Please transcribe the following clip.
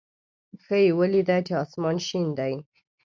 ښه یې ولېده چې اسمان شین دی.